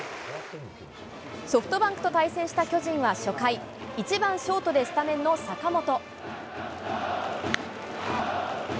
ソフトバンクと対戦した巨人は初回、１番ショートでスタメンの坂本。